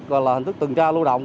gọi là hình thức từng tra lưu động